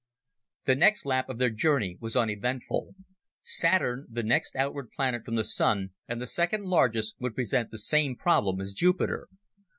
_ The next lap of their journey was uneventful. Saturn, the next outward planet from the Sun, and the second largest, would present the same problem as Jupiter.